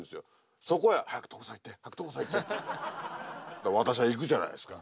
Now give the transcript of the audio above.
で私は行くじゃないですか。